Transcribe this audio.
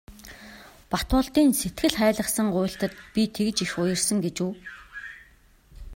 Батболдын сэтгэл хайлгасан гуйлтад би тэгж их уярсан гэж үү.